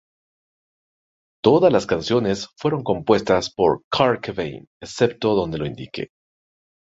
Todas las canciones fueron compuestas por Kurt Cobain excepto donde lo indique.